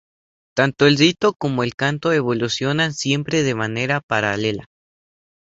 Tanto el rito como el canto evolucionan siempre de manera paralela.